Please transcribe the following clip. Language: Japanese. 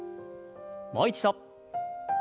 もう一度。